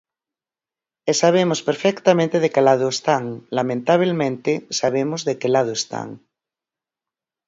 E sabemos perfectamente de que lado están; lamentabelmente sabemos de que lado están.